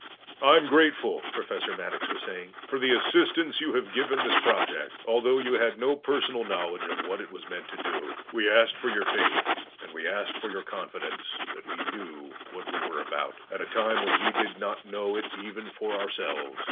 "I'm grateful," Professor Maddox was saying, "for the assistance you have given this project, although you had no personal knowledge of what it was meant to do. We asked for your faith and we asked for your confidence that we knew what we were about, at a time when we did not know it even for ourselves.